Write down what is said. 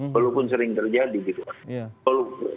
walaupun sering terjadi gitu